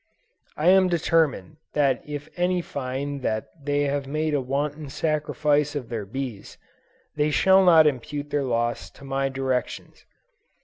I am determined that if any find that they have made a wanton sacrifice of their bees, they shall not impute their loss to my directions.